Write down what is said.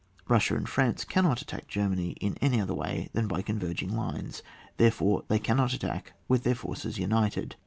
Bussia and France cannot attack G er manj in any other way than by converg ing lines ; therefore they cannot attack with their forces united.